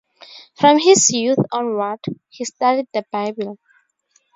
From his youth onward, he studied the Bible.